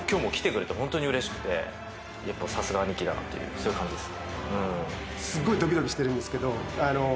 そういう感じです。